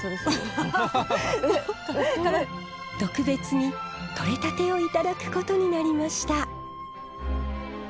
これ特別に採れたてをいただくことになりました。